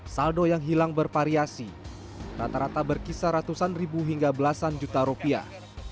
saldo yang hilang bervariasi rata rata berkisar ratusan ribu hingga belasan juta rupiah